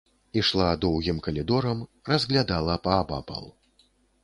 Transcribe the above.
Ішла доўгім калідорам, разглядала паабапал.